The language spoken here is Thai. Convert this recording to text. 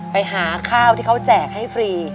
ไปหาข้าวที่เขาแจกให้ฟรี